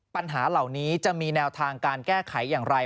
ปัญหาเหล่านี้จะมีแนวทางการแก้ไขอย่างไร